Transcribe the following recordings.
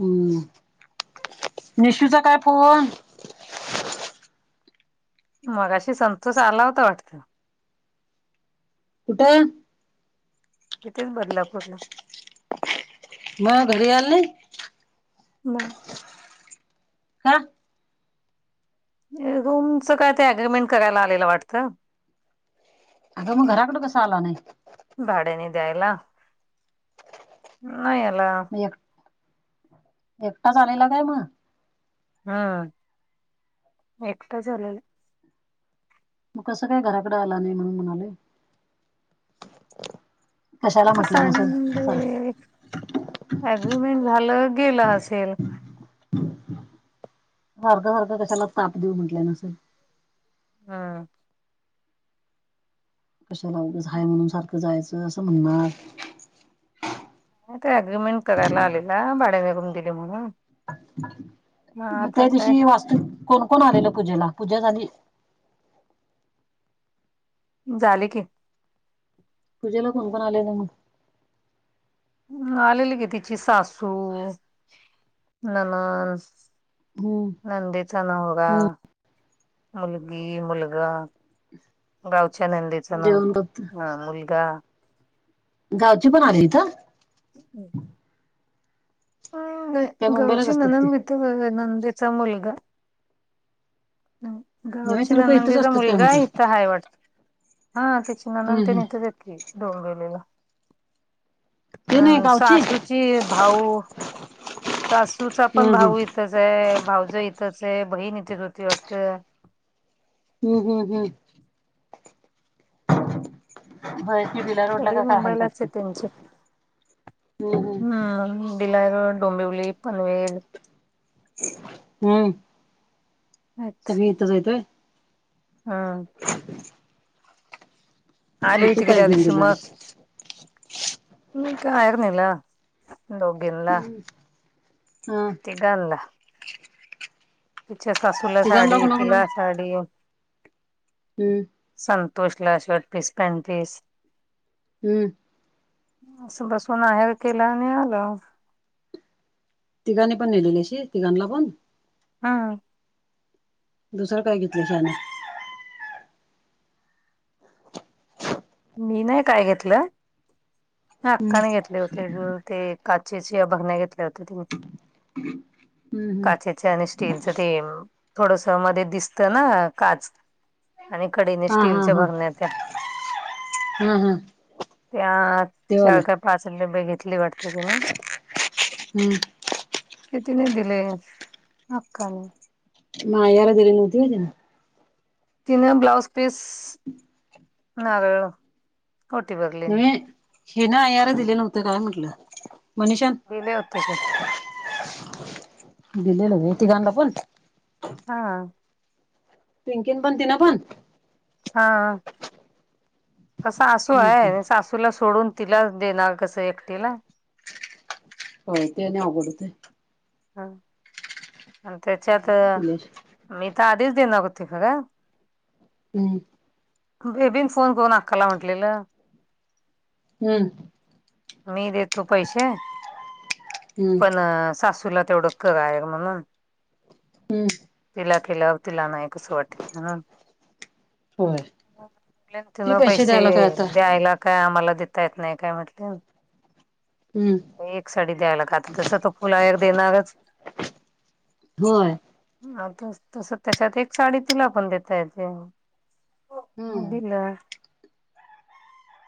हम्म निशूचा काय फोन मघाशी संतोष आला होता वाटतं कुठे कितीच बदलापूरला म घरी आल नाही बाय हा रूमचं काय ते अग्रीमेंट करायला आलेलं वाटतं आता मग घराकडं कस आला नाही भाड्यानी द्यायला नाही आला एक एकटा चालेला काय मग हम् एकटा आलेला. मग कसं काय घराकडे आला नाही म्हणून म्हणालोय. कशाला तर म्हटलं नसेल [inaudible] संडे अग्रीमेंट झालं गेला असेल. सारखं सारखं कशाला ताप देऊ म्हटलं नसेल. हा कशाला उगाच म्हणून सारखं जायचं असं म्हणणार. नाही ते अग्र्रीमेंट करायला आलेला भाड्या निघून दिली म्हणून. मग आता त्या काय दिवशी वास्तू कोण कोण आलेल पूजेला? पूजा झाली. झाले की. पूजेला कोण कोण आलेला मग? आलेली की तिची सासू, नणंद हम्म नंदेचा नवरा, हम्म मुलगी, मुलगा. गावच्या नंदेचा नाव. जेवण करत ह मुलगा गावची पण आली इथं? ह त्या [unintelligible] मुंबईलाच गावची असतात ते ननंद [unintelligible] नंदेणा मुलगा. नव्हे गावची ते लोक इथंच ननंदीचा असतात काय मुलगा आहे म्हटलं इथं हाय वाटत. हा तिची हम्म नणंद हम्म तेन तिथेच हायत की डोंबिवलीला. ती अ नाही गावची सासूची भाऊ सासूचा पण हम्म हम्म भाऊ इ इथच आहे भाऊज इथंच आहे बहीण इथेच होती वाटत. हम हम हम [unintelligible] काय सगळी हायत मुंबईलाच आहे वाटतं? त्यांची हम हम हा मिरा रोड डोंबिवली पनवेल हम्म सगळी इथच हायत होय? हम मग तू काय घेऊन गेलेलीस? [unintelligible] डोंबिव हा [unintelligible] तिच्या सासूला तिघांना साडी कुणा कुणाला तिला साडी. हम्म संतोष ला शर्ट पीस पॅंट पीस. हम्म असं बसून आहेर केला आणि आलो. तिघांणी पण नेहिलेली शी तिघाणला पण. हा दुसरं काय घेतलं [inaudible] मी नाही काय घेतलं. अक्काणे घेतले होते ते काचेचे भरण्या घेतले होते तिने. हम्म हम्म काचेच आणि स्टीलचं ते थोडस मध्ये दिसत ना काच आणि कडीने स्टीलच्या भरण्या त्या. हम्म हम्म त्या चार की पाच डब्बे घेतली वाटते तिने. हम्म ते तिने दिले अक्काने. मायाला दिली नव्हती व्हय तिनं. तिन ब्लाऊज पीस, नारळ. कोठी बघी नही हीन आयार दिले नव्हत काय म्हंटलं मनीषानं? दिले होते की [inaudible] दिलंय नव्ह तिघांना पण. हा. पिंकीन पण तिन पण हा. काय सासू हम्म आहे सासूला सोडून तिला देणार कसं एकटीला? होय ते आणि अवघड होतंय. हा. आणि त्याच्यात हम्म [inaudible] मी तर आधीच देनार होते खर [inaudible] हम्. बेबीन फोन करून अक्काला म्हटलेलं. हम्म. मी देतो पैसे हम्म पण सासूला तेवढं [unintelligible] हम्म. तिला केलाव तिला नाही कस वाटल? म्हणून होय. म्हटल ती तिला पैसे द्यायला काय आता द्यायला काय आम्हाला देता येत नाही काय म्हटल. हम्म. एक साडी द्यायला काय आता तस तो फुला एक देणारच. होय. ह त-तस त्याच्यात एक साडी तुला पण देतायेते. हो हम्म मुदील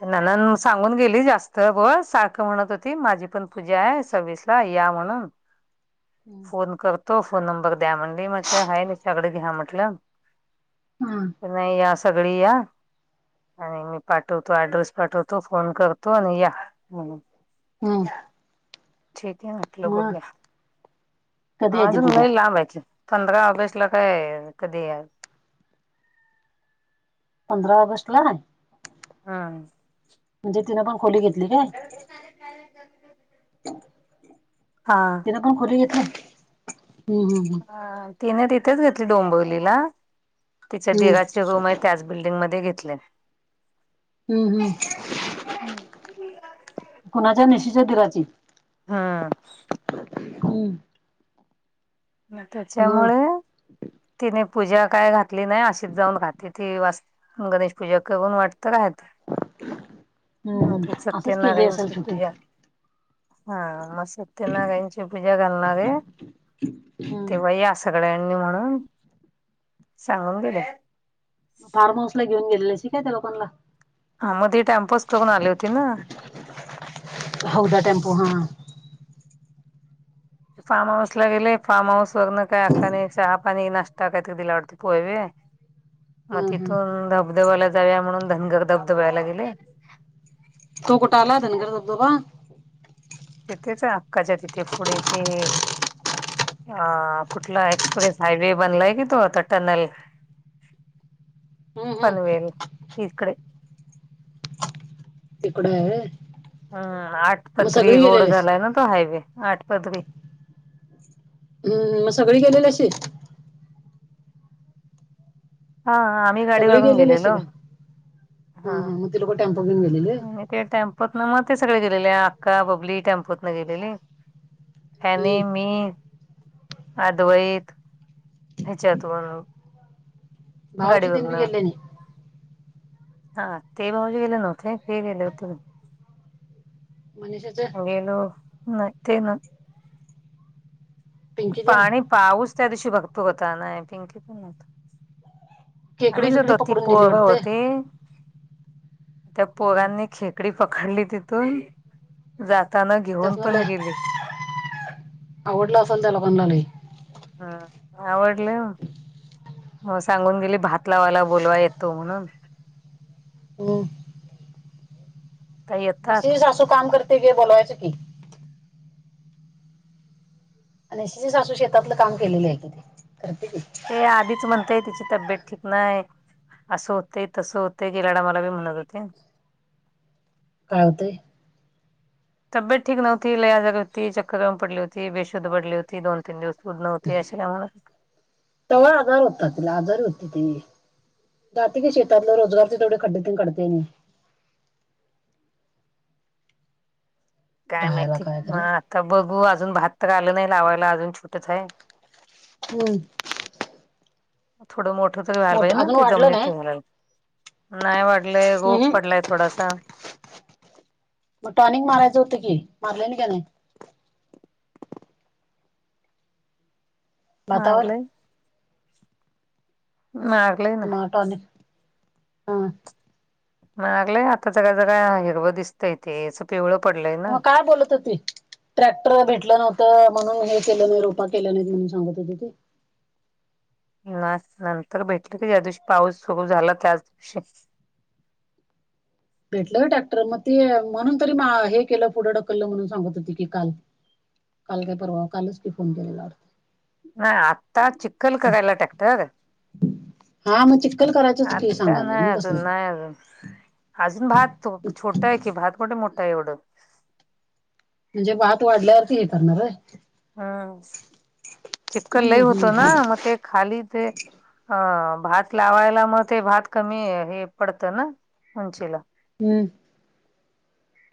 ते म्हणून सांगून गेली जास्त ब सारखं म्हणत हो ते माझी पण पूजा आहे सव्वीस ला या म्हणून [inaudible] हम्म फोन कर तो फोन नंबर द्या म्हणली म्हटलं हाय मिस्टरांनकड घ्या म्हटलं. [inaudible] नाही या सगळी या. आणि मी पाठवतो ऍड्रेस पाठवतो. फोन करतो आणि या म्हणून. हम्म. ठीक आहे म्हटल मग बघूया कधी [inaudible] आहे ती आजून पूजा लई लांब हाय की. पंधरा ऑगस्ट ला काय कधी हाय? पंधरा ऑगस्ट ला नाही. हा. म्हणजे तिनं पण खोली घेतली काय? [inaudible] हां. तीन पण खोली घेतली [inaudible] हं हं हं. हा तिन तिथेच घेतली डोंबिवलीला तिच्या हम्म दिराची रूम हाय त्याच बिल्डिंगमध्ये घेतलीया. हम्म, हम्म. कुणाच्या निशीच्या दिराची? हा. हम्म मग त्याच्यामुळे तिने पूजा काय घातली नाही अशीच जाऊन राहती ती वास गणेश पूजा करून वाटत राहत आहे. [inaudible] नाही हम्म तर असंच केली असेल सत्यनारायणची सुट्टी पुजा. हा म सत्यनारायणची पूजा घालणारेये. हम्म तेव्हा या सगळ्यांनी म्हणून [inaudible] सांगून गेल्या. म फार्म हऊस ला घेऊन गेलेले शिकाय त्या लोकांना ह म ते टॅम्पोचं करून आले होते ना. [inaudible] हौदा टेम्पो भरुन. फार्म हाऊस ला गेले फार्म हाऊस वरनं का कणिस सा पाणी नाष्टा कायतरी दिला वाटते पोहे बिये मगं हम्म हम्म तिथून धबधब्याला जाऊया म्हणून धनगर धबधब्याला गेले. तो कुठं आला धनगर धबधबा? तिथेच आहे अक्काच्या तिथे पुढे ते आ कुठला एक्सप्रेस हायवे बनलाय कि तो आता टनल हम्म हम्म पनवेल इकडे. तिकड आहे. हां आठ मग पदरी सगळी रोड गेलेली आहेस झालाय ना तो हायवे आठ पदरीं. हम्म म सगळी गेलेलीशी. हां आम्ही गाडी सगळी वरून गेलेली अशी गेलेलो का हा हां. हा मग ते लोक टेम्पो घेऊन गेलेले त्या टॅम्पोतन म ते सगळे गेलेले आक्का बबली टॅम्पोतन गेलेले. काही हम्म नाई मी अद्वैत. ह्याच्यातून भाऊजी तीन गाडीवरन बी गेले नी. हा ते भाऊजी गेले नव्हते ते गेले होते. मनिषाच्या गेलो नाई ते ना. पिंकीचे ना पाणी पाऊस त्या दिवशी भरपूर होता ना आय थिंक केकडी आम्हीच बिकडी होतो ति पकडून नेली पोरग वाटते होते. त्या हम्म पोरांनी खेकडी पकडली तिथून. जाता त्यास म्हटल आवडलं असाल त्या लोकांनला बी. हां आवरलं? म सांगून गेली भात लावायला बोलवाया येतो म्हणून. त्या निशे येतात ची सासू काम करते की बोलवायचं की. निशाची सासू शेतातलं काम केलेलेय कि ते करते की. ते आधीच म्हणतेय तिची तब्येत ठीक नाय. असं होतंय तसं होतंय गेला टाईमाला बी म्हणत होती. काय होतेय? तब्येत ठीक नव्हती लय आजारी होती, चक्कर येऊन पडली होती, बेशुद्ध पडली होती दोन तीन दिवस शुध नव्हती अशी नाई म्हणतं. तव्हा आजार होता तिला आजारी होती ती. जाती की शेतातल रोजगार ते थोडे खड्डे तन काढते नी. काय राहायला माहिती काय म खरं आता बघू अजून भात तर आलं नाही लावायला अजून छोटच आहे. हम्म. थोडं मोठ तरी व्हायला मोठ पाहिजे ना अजून ते वाढलं जमनीत नाही घालायाल. नाय वाढलंय रोग हम्म. पडलाय थोडासा. मग टॉनिक मारायचं होतं की मारले नी काय नाई? भातावर मारलंय. [unintelligible] म टॉनिक हम्म. मारलंय आता जरा जरा हिरवं दिसतंय ते अस पिवळं पडलय ना. मग काय बोलत होती? ट्रॅक्टर भेटलं नव्हतं म्हणून हे केलं नी रोपा केल्या नाहीत म्हणून सांगत होते ते. ना नंतर भेटत का ज्या दिवशी पाऊस सुरू झाला त्याच दिवशी. भेटलं का टॅक्टर म ते म्हणून तरी, मा हे केलं पुढं ढकललं म्हणून सांगत होती की काल. काल काय परवा कालच की फोन केलेला होता. ना आत्ता चिखल करायला टॅक्टर? हा मग चिक्कल करायचंच की आता सांगालोय नाही मग कसलं अजून नाही अजून. अजून भात छोटा आहे की भात मोठे मोठा आहे एवढं म्हणजे भात वाढल्यावरती हे करणार र हम् चिककल हम्म लई होतो हम्म ना मग ते खाली ते अ भात लावायला मग ते भात कमी हे पडतं ना उंचीला हम्म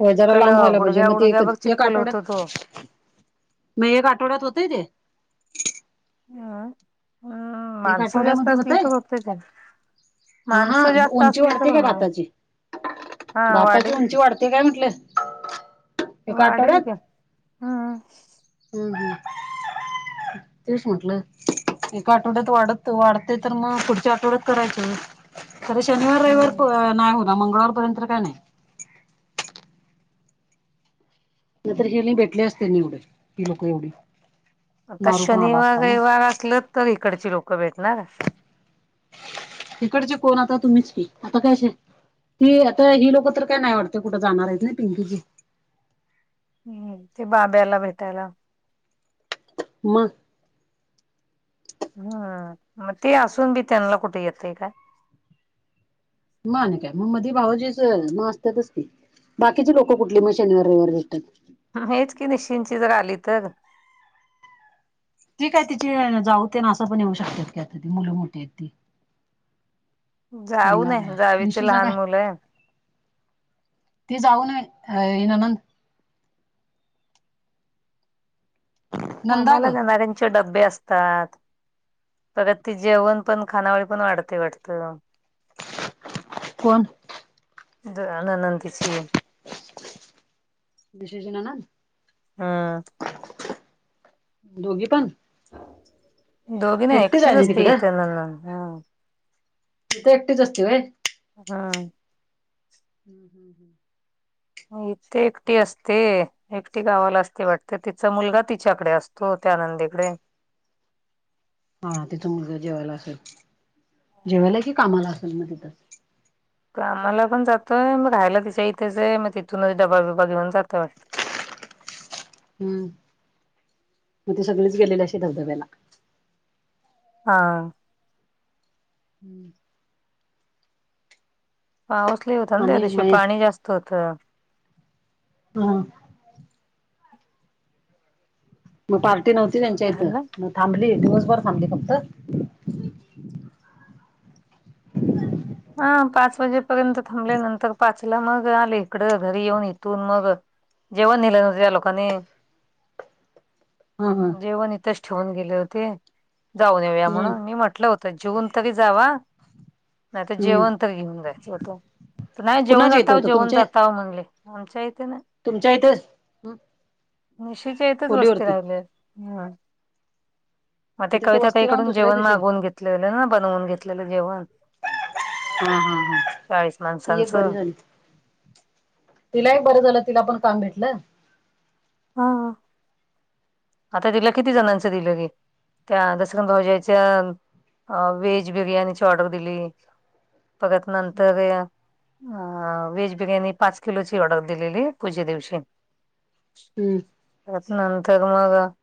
हो जरा चिक्कल लांब व्हायला पाहिजे गुडघ्या मग ते एक गुडघ्या बघ एक चिक्कल होतो तो. आठवड्यात मी एक आठवड्यात होतेय ते हा हम् एक माणसं जास्त आठवड्यामध्ये असली होतय तर होते त्यांना ह हा माणसं जास्त उंची असली तर वाढते काय होन भाताची हा वाढेल की ते काय म्हटलं एका वाढल आठवड्यात का हम्म हम् हम् तेश म्हटलं एका आठवड्यात वाढत वाढते तर मगं पुढच्या आठवड्यात करायचं. तरर शनिवार हम्म रविवार नाही हो ना मंगळवारपर्यंत काय नाही नंतर हेि भेटले असते एवढे ही लोक एवढी आता नारू पण आला शनिवार असता मग रविवार असल तर इकडची लोकं भेटणार तिकडचे कोण आता तुम्हीच की आता कायश आहे ती आता ही लोकं तर काय नाही वाटते कुठं जाणार आहेत ना पिंकूजी हम्म ते बाब्याला भेटायला मग हम्म मग ते असून बी त्यांना कुठे येतंय काय मा नाही काय मग मधी भाव जे म असतातच त बाकीचे लोकं कुठले मग शनिवार्यवार भेटतात हेच की निश्चिंची जर आली तर ठीकय तिची जाऊते ना असं पण येऊ शकतात काी आता मुलं मोठी आहेत ती जाऊ त्यांना नये काय जावीचे मिशूचा लहान काय मुलं आहे ती जाऊन नन नंदा कामाला ग जाणाऱ्यांचे डबे असतात परग ती जेवण पण खानावळी पण वाढते वाटतं कोण जननंदीची विशेषनानांद हम्म दोघ पन दोघिन एक्ट आहे ना जोस्त तिकडं ेतलला हा तिथे एकटीच असते बाय हा हम्म हम् हम् इे एकटी असते एकटी गावाला असती वाटते तिचा मुलगा तिच्याकडे असतो त्या आनंदीकडे हा तिचां मुलगा जेवायला असेल जेवायला की कामाला असेल मग तिथं कामाला पण जातंय मग राायला तिच्या इथेच आहे मग तिथूनच डबा बिबा घेऊन जात हम्म मग ते सगळेच गेलेले असे धबधब्याला हा हम्म पाऊसले होत त्या त्या आणि दिशी मया पाणी जास्त होतं हम मग पार्टी नव्हती त्यांच्या इथं चाललं मग थांबली दिवसभर थांबली फक्त ह पाच वाजेपर्यंत थांबले नंतर पाच तिला मग आले इकड घरी येऊन इथून मग जेवण नेलं नव्ह त्या लोकांनी [inaudible] हा जेवण इथेच ठेवून गेले होते जाऊन येऊया हम्म म्हणून मी म्हटलं तर जेऊन तरी जावा. नाही तर हम्म जेवण तर घेऊन जायचं होत नाही जेवण कुणाच्या इथं जाताव होतं जेवण तुमच्या जाताव म्हणले. आमच्या इथ नाय. तुमच्या इथे निशीेच्या इथच वस्ती खोलीवरती राहिल्या हम. म ते मग तिथे कविताताई वस्ती राहून कडून दुसऱ्या जेवण दिवशी मागवून घेतलेलं ना बनवून घेतलेलं जेवण हा हा हा चाळीस ती एक बरी माणसांचं झाली. तिलाही बरं झालं तिला पण काम भेटलं. हा आता तिला किती जणांचं दिलं की? त्या दसग भाऊजाच्या व्हेज बिर्याणीची ऑर्डर दिली. बघत नंतर या. अ व्हेज बिर्याणी पाच किलोची ऑर्डर दिलेली पुजे दिवशी हम्म. [unintelligible]